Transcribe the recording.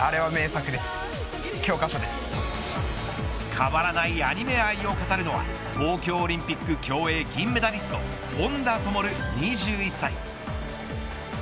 変わらないアニメ愛を語るのは東京オリンピック競泳銀メダリスト本多灯２１歳。